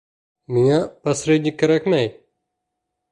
Миңә посредник кәрәкмәй.